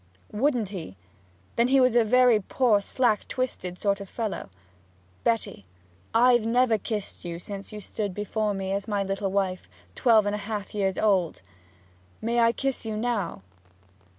'Wouldn't he? Then he was a very poor slack twisted sort of fellow. Betty, I've never kissed you since you stood beside me as my little wife, twelve years and a half old! May I kiss you now?'